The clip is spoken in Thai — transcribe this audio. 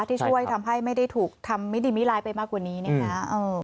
ที่ช่วยทำให้ไม่ได้ถูกทำมิดีมิร้ายไปมากกว่านี้นะคะ